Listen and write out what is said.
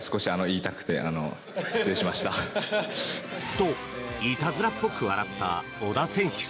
と、いたずらっぽく笑った小田選手。